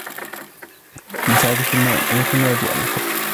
مِنْ سَعَادَةِ الْمَرْءِ أَنْ يَكُونَ رَدِيءَ الْخَطِّ